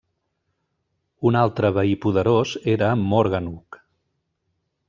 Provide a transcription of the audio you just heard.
Un altre veí poderós era Morgannwg.